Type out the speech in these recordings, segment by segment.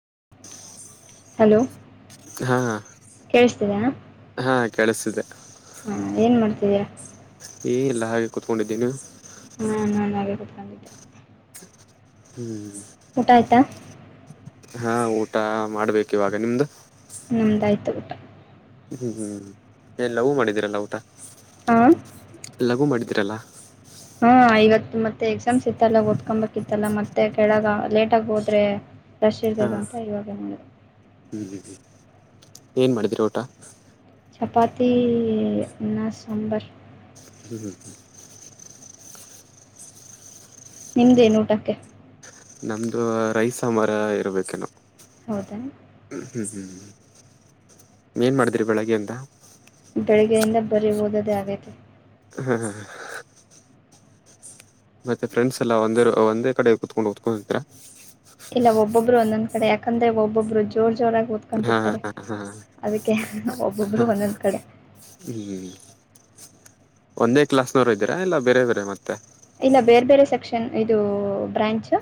[inaudible] Hello ಹಾ ಕೇಳಿಸ್ತಿದೆ ನಾ. ಹಾ ಕೇಳಿಸ್ತಿದೆ. ಹಾ ಏನ್ ಮಾಡ್ತಿದಿರ. ಎನಿಲ್ಲ ಹಾಗೆ ಕುತ್ಕೊಂಡಿದ್ದೀ ನೀವು. ಹಾ ನಾನು ಹಾಗೆ ಕೂತ್ಕೊಂಡಿದ್ದೇ. ಹ್ಮ್. ಊಟ ಆಯ್ತಾ. ಹಾ ಊಟ ಮಾಡ್ಬೇಕು ಇವಾಗ ನಿಮ್ದು. ನಮ್ದಯ್ತು ಊಟ. ಹ್ಮ್ ಹ್ಮ ಎಲ್ಲಾವು ಮಾಡಿದೀರಲ್ಲ ಊಟ. ಆ. ಲಘು ಮಾಡಿದೀರಲ್ಲ. ಹ್ಮ ಇವತ್ತು ಮತ್ತೆ ಎಕ್ಸಾಮ್ಸ್ ಇತ್ತಲ್ಲ ಓದ್ಕೊಬೇಕಿತ್ತಲ್ಲ ಮತ್ತೆ ಕೆಳಗ ಲೇಟ್ ಆಗ ಹೋದ್ರೆ. ರಷ್ ಹಾ ಇರ್ತಾದ ಅಂತ ಇವಾಗೆ ಮಾಡಿದೆ. ಏನ್ ಮಾಡಿದಿರಿ ಊಟ. ಚಪಾತಿ ಅನ್ನ ಸಾಂಬಾರ. ಹ್ಮ್ ಹ್ಮ ಹ್ಮ. ನಿಮ್ದೇನು ಊಟಕ್ಕೆ. ನಮ್ದು ರೈಸ್ ಸಾಂಬಾರ್ ಇರ್ಬೇಕೇನ ಹೌದಾ ಹ್ಮ್ ಹ್ಮ್. ಏನ್ ಮಾಡಿದಿರಿ ಬೆಳಗ್ಗೆ ಇಂದ. ಬೆಳಿಗ್ಗೆಯಿಂದ ಬರೀ ಓದೋದೇ ಆಗೈತೆ. ಹ್ಮ ಹ. ಮತ್ತೆ ಫ್ರೆಂಡ್ಸ್ ಎಲ್ಲಾ ಒಂದೇ ರೂ ಒಂದೇ ಕಡೆ ಕುತ್ಕೊಂಡು ಒದ್ಕೊಂತಿರ. ಒಬ್ಬಬ್ರು ಒಂದೊಂದ ಕಡೆ ಯಾಕಂದ್ರ ಒಬ್ಬೊಬ್ರು ಜೋರ್. ಜೋರಾಗಿ ಹಾ ಹಾ ಓದ್ಕೊಂತಿರ್ತಾರೆ ಹಾ ಹಾ ಅದಕ್ಕೆ ಒಬ್ಬೊಬ್ರು ಹಾ ಒಂದೊಂದ್ ಕಡೆ. ಹ್ಮ್ ಒಂದೇ ಕ್ಲಾಸ್ನವರು ಇದೀರಾ ಇಲ್ಲ ಬೇರೆ ಬೇರೆ ಮತ್ತೆ. ಇಲ್ಲ ಬೇರೆ ಬೇರೆ ಸೆಕ್ಷನ್ ಇದು ಬ್ರಾಂಚ್.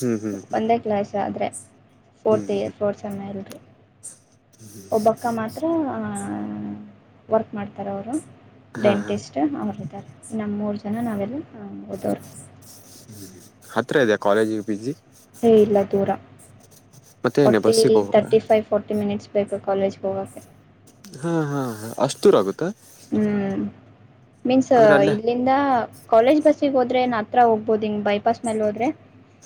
ಹ್ಮ್ ಹ್ಮ್ ಒಂದೇ ಕ್ಲಾಸ್ ಆದ್ರೆ ಹ್ಮ್ ಫೋರ್ತ್ ಇಯರ್ ಹ್ಮ್ ಫೋರ್ತ್ ಸೇಮ್ ಎಲ್ಲರು. ಒಬ್ಬಕ್ಕ ಮಾತ್ರ ಆ ವರ್ಕ್ ಮಾಡ್ತಾರ ಅವರು. ಹಾ ಹಾ ಡೆಂಟಿಸ್ಟ್ ಅವರುದ್ದಾರೆ ನಮ್ಮ ಮೂರು ಜನ ನಾವೆಲ್ಲ ಓದೋರು. ಹ್ಮ್ ಹತ್ರ ಇದೆಯ ಕಾಲೇಜಿಗೆ ಪಿ ಜಿ. ಮತ್ತೆ ಏನೇ ಫಾರಟಿ ಬಸ್ಸಿಗೆ ಹೋಗ್ಬೇಕ ತರ್ಟಿ ಫೈವ್ ಫೋರ್ಟಿ ಮಿನಿಟ್ಸ್ ಬೇಕು ಕಾಲೇಜ್ಗೆ ಹೋಗೋಕ್ಕೆ. ಹಾ ಹಾ ಹಾ ಅಷ್ಟು ದೂರ್ ಆಗುತ್ತಾ. ಹ್ಮ್ ಮೀನ್ಸ್ ಅಂದ್ರೆ ಅಲ್ಲೇ ಇಲ್ಲಿಂದ. ಕಾಲೇಜ್ ಬಸ್ಗೆ ಹೋದ್ರೆ ನನ್ ಹತ್ರ ಹೋಗ್ಬಹದು ಹಿಂಗ್ ಬೈಪಾಸ್ ಮೇಲೆ ಹೋದ್ರೆ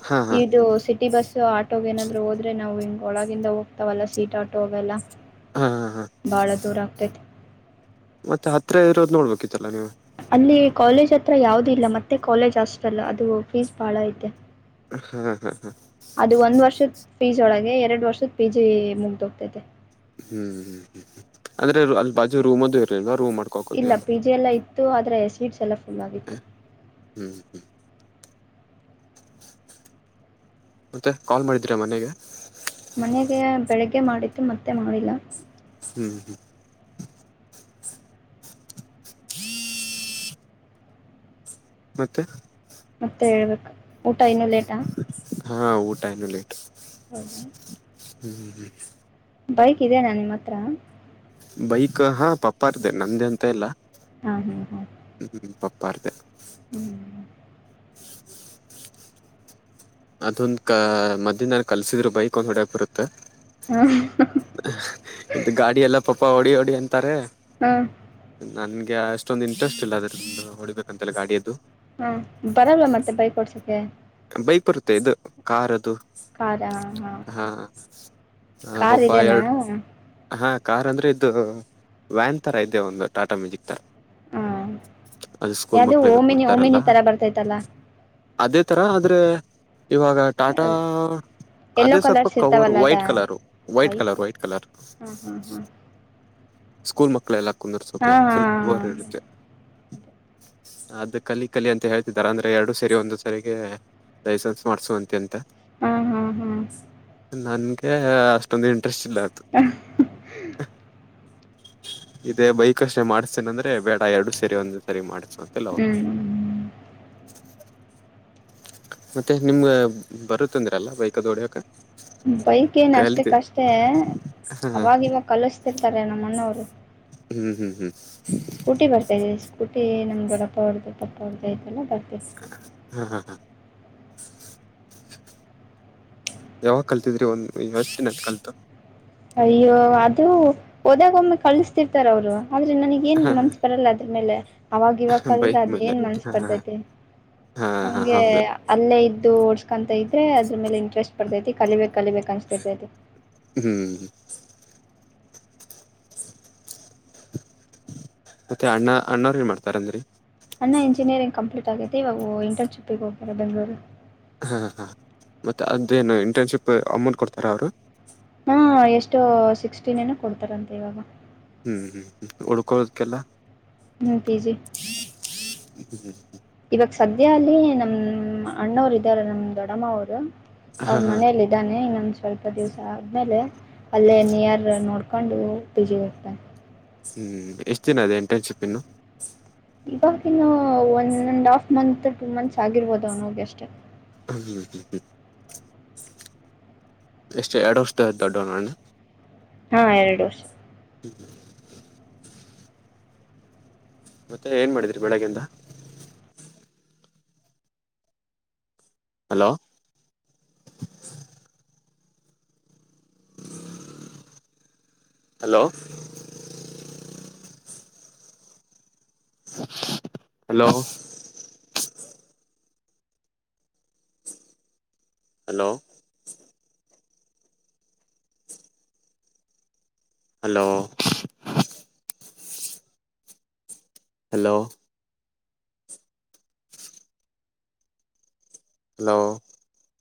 ಹಾ ಹಾ ಇದು ಸಿಟಿ ಬಸ್. ಸೊ ಆಟೋಗೆನಾದ್ರು ಹೋದ್ರೆ ನಾವು ಹಿಂಗೆೊಳಗಿಂದ ಹೋಗ್ತಾವಲ್ಲ ಸೀಟ್ ಆಟೋ ಅವೆಲ್ಲ. ಹಾ ಹಾ ಹಾ ಬಾಳ ದೂರ ಆಗ್ತೈತಿ. ಮತ್ತ ಹತ್ರ ಇರೋದು ನೋಡ್ಬೇಕು. ಅಲ್ಲಿ ಕಾಲೇಜ್ ಹತ್ರ ಯಾವ್ದ ಇಲ್ಲ ಮತ್ತೆ ಕಾಲೇಜ್ ಹಾಸ್ಟೆಲ ಅದು ಫೀಸ್ ಬಾಳ ಐತೆ. ಹಾಂ ಹಾ ಹಾ. ಪಿ ಜಿ ಒಳಗೆ ಎರಡು ವರ್ಷದ ಪಿ ಜಿ ಮುಗ್ದೋಗ್ತೈತೆ ಹ್ಮ್ ಹ್ಮ್ ಹ್ಮ್ ಅಂದ್ರೆ ಅಲ್ಲಿ ಬಾಜು ರೂಮದ ಇರಲಿಲ್ವ ಇಲ್ಲ ಪಿಜೆ ಎಲ್ಲ ಇತ್ತು ಆದರೆ ಸ್ವೀಟ್ಸ್ ಎಲ್ಲ ಫುಲ್ಲಾಗಿತ್ತು ಹ್ಮ್ ಮತ್ತೆ ಕಾಲ್ ಮಾಡಿದೀರಾ ಮನೆಗೆ ಮನೆಗೆ ಬೆಳಿಗ್ಗೆ ಮಾಡಿದ್ದು ಮತ್ತೆ ಮಾಡಿಲ್ಲ ಹ್ಮ್ ಹ್ಮ [unintelligible] ಮತ್ತೆ ಮತ್ತೆ ಹೇಳ್ಬೇಕು ಊಟ ಇನ್ನೂ ಲೇಟಾ ಹಾ ಊಟ ಇನ್ನೂ ಲೇಟ್ ಹೌದಾ ಹ್ಮ್ ಬೈಕ್ ಇದೇನಾ ನಿಮ್ಮ ಹತ್ರ ಬೈಕ್ ಹಾ ಪಪ್ಪಾರ್ದ ನಂದೇ ಅಂತ ಇಲ್ಲಾ ಹಾ ಹಾ ಹಾ ಹ್ಮ್ ಪಾಪರ ದೇ ಹ್ಮ್ ಅದೊಂದ ಕ ಮಧ್ಯದಲಿ ಕಲ್ಸಿದ್ರು ಬೈಕ್ ಒಂದ್ ಹೊಡಕ್ ಬರುತ್ತೆ ಹ್ಮ್ ಇದು ಗಾಡಿ ಎಲ್ಲ ಪಪ ಹೊಡಿ ಹೊಡಿ ಅಂ ತಾರೆ ಹಾ ನನ್ಗೆ ಅಷ್ಟೊಂದು ಇಂಟ್ರೆಸ್ಟ್ ಇಲ್ಲ ಅದ್ರ ಹೊಡಿಬೇಕಂತಲ್ಲ ಗಾಡಿಯದ್ದು ಹಾ ಬರಲ್ಲ ಮತ್ತೆ ಬೈ ವೋಡ್ಸಕ್ಕೆ ಬೈಕ್ ಬರುತ್ತೆ ಇದು ಕಾರ್ ಅದು ಕಾರ ಹಾ ಓಕೆ ಹ ಕಾರ್ ಪಪಾ ಇದೆನಾ ಎರಡು ಹಾ ಕಾರ್ ಅಂದ್ರೆ ಇದು ವ್ಯಾನ್ ತರ ಇದೆ ಒಂದು ಟಾಟಾ ಮ್ಯಾಜಿಕ್ ತರ ಹಾ ಅದು ಸ್ಕೂಲ್ ಯಾವ್ದು ಮಕ್ಳಿಗೆ ಓಮಿನಿ ಕೊಡ್ತಾರಲ್ಲ ಓಮಿನಿ ತರ ಬರ್ತೈತಲ್ಲ ಅದೇ ತರ ಆದ್ರೆ ಇವಾಗ ಟಾಟಾ ಎಲ್ಲೋ ಅದೇ ಸ್ವಲ್ಪ ಕಲರ್ಸ್ ಕವರ್ ಇರ್ತಾವಲ್ಲ ಅದ white colour white colour white colour ಹಾ ಹಾ [inaudible] ಸ್ಕೂಲ್ ಮಕ್ಳೆಲ್ಲ ಹಾ ಕುಂದರ್ಸೋಕೆ ಹಾ ಹಾ ಫುಲ್ ವೋರ್ ಇರುತ್ತೆ. ಅದು ಕಲಿ ಕಲಿ ಅಂತ ಹೇಳ್ತಾರ ಅಂದ್ರೆ ಎರಡು ಸೇರಿ ಒಂದು ಸರಿಗೆ ಲೈಸೆನ್ಸ್ ಮಾಡ್ಸುವಂತೆ ಅಂತ ಹ್ಮ ಹ್ಮ ಹ್ಮ್ ಏ ಅಷ್ಟೊಂದು ಇಂಟ್ರೆಸ್ಟ್ ಇಲ್ಲ ಅದು ಇದೇ ಬೈಕ ಅಸ್ಟೇ ಮಾಡಸ್ತೇನೆ ಅಂದ್ರೆ ಬೇಡ ಎರಡು ಸೇರಿ ಒಂದ ಸರಿ ಮಾಡ್ಸು. ಹ್ಮ್ [unintelligible] ಮತ್ತೆ ನಿಮ್ಗ ಬರುತ್ಂದ್ರಲ್ಲ ಬೈಕ ಅದು ಹೊಡ್ಯಾಕ್ ಬೈಕ್ ಏನು ಅಷ್ಟಕ್ಕಷ್ಟೇ ಹಾ ಹಾ ಅವಾಗವಾಗ ಕಲಿಸ್ತಿರ್ತಾರೆ ನಮ್ಮ ಅಣ್ಣವ್ರು ಹ್ಮ್ ಹ್ಮ್ ಹ್ಮ್ ಸ್ಕೂಟಿ ಬರ್ತಾ ಇದೆ ಸ್ಕೂಟಿ ನಮ್ ದೊಡಪ್ಪ ಅವರ್ದು ಪಪ್ಪ ಅವ್ರ್ದುಆಯಿತಲ್ಲ ಬರ್ತದೆ. ಹಾ ಹಾ ಹಾ ಯಾವಾಗ ಕಲ್ತಿದ್ರಿ ಒಂದ್ ಎಸ್ಟ್ ದಿನ ಆಯ್ತು ಕಲ್ತು ಅಯ್ಯೋ ಅದು ಹೋದಾಗ ಒಮ್ಮೆ ಕಲಸ್ಥಿರ್ತಾರವರು ಆದ್ರೆ ನನಗ ಏನ್ ಹಾ ಮನ್ಸ ಬರಲ್ಲ ಅದ್ರ ಮೇಲೆ ಅವಾಗ ಇವಕಲ್ ಬೈಕ್ ಅದು ಮೇಲೆ ಏನ್ ಮನ್ಸ ಹಾ ಹಾ ಬರ್ತೈತಿ ಹಾ ಹಾ ಹಂಗೆ ಹೌದು ಅಲ್ಲೇ ಇದ್ದು ಓಡ್ಸ್ಕೊಂತ ಇದ್ರೆ ಅದ್ರ ಮೇಲೆ ಇಂಟ್ರೆಸ್ಟ್ ಪರ್ತೈತಿ ಕಲಿಬೇಕ. ಕಲಿಬೇಕು ಅನ್ನಿಸ್ತಿರ್ತೈತೆ ಅದು ಹ್ಮ್ ಮತ್ತೆ ಅಣ್ಣ ಅಣ್ಣವ್ರ ಏನ್ ಮಾಡ್ತಾರಂದ್ರರಿ ಅಣ್ಣ ಇಂಜಿನಿಯರಿಂಗ್ ಕಂಪ್ಲೀಟ್ ಆಗೈತೆ ಇವಾಗ ಇಂಟರ್ನ್ಶಿಪ್ಪಿಗೆ ಹೋಗ್ತಾರೆ ಬೆಂಗ್ಗಳೂರು. ಹಾ ಹಾ ಮತ್ತೆ ಅದೇನು ಇಂಟರ್ನ್ಶಿಪ್ ಅಮೌಂಟ್ ಕೊಡ್ತಾರ ಅವರು ಹಾ ಎಷ್ಟೋ ಸಿಕ್ಸ್ಟೀನ್ ಏನ ಕೊಡ್ತಾರಂತೆ ಇವಾಗ ಹ್ಮ್ ಹ್ಮ್ ಉಳ್ಕೊಳೊದಕೆಲ್ಲಾ ಮ ಪೀಜಿ [unintelligible] ಇವಾಗ ಸದ್ಯ ಅಲ್ಲಿ ನಮ ಅಣ್ಣವರು ಇದ್ದಾರ ನಮ್ ದೊಡಮ್ಮ ಅವರು. ಅವರ ಹಾ ಹಾ ಮನೇೆಯಲ್ಲಿ ಇದಾನೆ ಇನ್ನೊಂದ್ ಸ್ವಲ್ಪ ದಿವಸ ಆದ್ಮೇಲೆ ಅಲ್ಲೇ ನಿಯರ್ ನೋಡ್. ಕಂಡು ಉತ್ತೇಜಿಗ್ತೆ ಹ್ಮ್ ಎಷ್ಟ ದಿನ ಇದೆೇ ಇಂಟರ್ನ್ಶಿಪ್ ಇನ್ನು. ಇವಗ ಇನ್ನು one and half month two months ಆಗಿರ್ಬೋದು ಅವನ ಹೋಗಿ ಅಷ್ಟೇ. ಹ್ಮ್ ಎಷ್ಟ ಎರಡು ವರ್ಷ ದೋಡ್ಡನಣ. ಹ್ಮ್ಮ್ ಎರಡು ವರ್ಷ. [unintelligible] ಮತ್ತೆ ಏನ್ ಮಾಡಿದೀರಿ ಬೆಳಗೆ ಇಂದ. Hello. Hello. Hello. Hello. Hello. Hello. Hello.